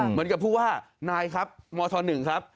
เหมือนกับผู้ว่านายครับมธ๑ครับ